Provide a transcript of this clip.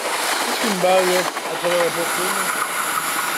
Qu’est-ce qu’une balle à travers la poitrine?